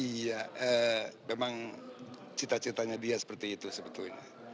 iya memang cita citanya dia seperti itu sebetulnya